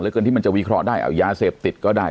เกินที่มันจะวิเคราะห์ได้เอายาเสพติดก็ได้